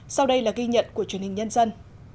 sau đây là ghi nhận của truyền hình nhân dân